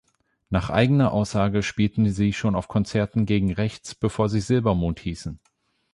Nach eigener Aussage spielten sie schon auf Konzerten gegen Rechts, bevor sie Silbermond hießen.